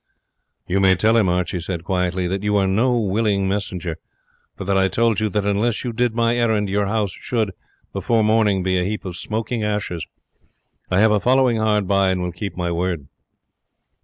"You may tell him," Archie said quietly, "that you are no willing messenger; for that I told you that unless you did my errand your house should, before morning, be a heap of smoking ashes. I have a following hard by, and will keep my word."